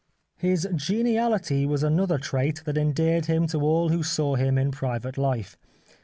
His geniality was another trait that endeared him to all who saw him in private life.